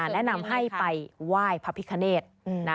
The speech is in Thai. แนะนำให้ไปว่ายพลาภิกณิชย์